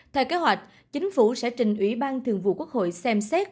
theo kế hoạch chính phủ sẽ trình ủy ban thường vụ quốc hội xem xét